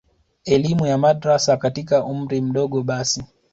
elimu ya madrasa katika umri mdogo basi